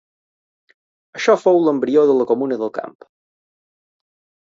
Això fou l'embrió de la Comuna del Camp.